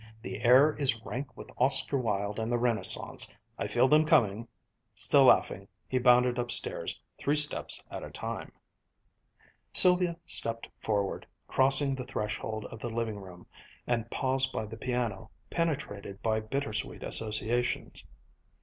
The air is rank with Oscar Wilde and the Renaissance. I feel them coming." Still laughing, he bounded upstairs, three steps at a time. Sylvia stepped forward, crossed the threshold of the living room, and paused by the piano, penetrated by bitter sweet associations.